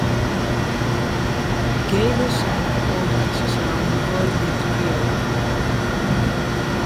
Gaither sang to audiences around the world with the trio.